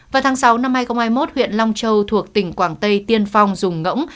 vào tháng sáu năm hai nghìn hai mươi một huyện long châu thuộc tỉnh quảng tây tiên phong dùng ngỗng